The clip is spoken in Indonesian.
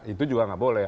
itu juga gak boleh